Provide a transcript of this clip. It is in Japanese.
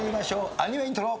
アニメイントロ。